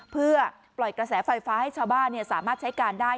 เพื่อปล่อยกระแสไฟฟ้าให้ชาวบ้านสามารถใช้การได้